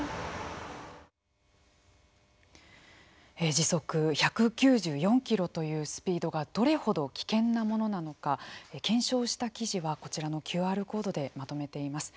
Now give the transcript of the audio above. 時速１９４キロというスピードがどれほど危険なものなのか検証した記事はこちらのＱＲコードでまとめています。